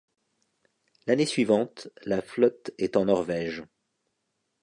L'année suivante, la flotte est en Norvège.